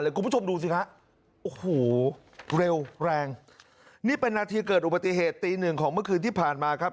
คุณผู้ชมดูสิฮะโอ้โหเร็วแรงนี่เป็นนาทีเกิดอุบัติเหตุตีหนึ่งของเมื่อคืนที่ผ่านมาครับ